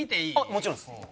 もちろんです。